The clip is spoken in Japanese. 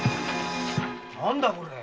何だこれは？